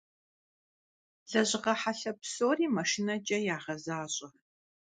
Lejığe helhe psori maşşineç'e yağezaş'e.